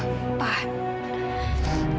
takdir papa itu